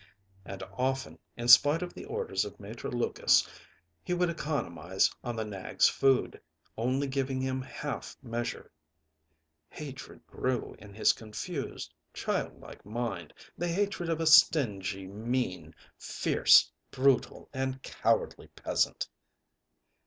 And often, in spite of the orders of Maitre Lucas, he would economize on the nag's food, only giving him half measure. Hatred grew in his confused, childlike mind, the hatred of a stingy, mean, fierce, brutal and cowardly peasant.